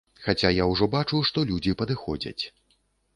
Хаця я ўжо бачу, што людзі падыходзяць.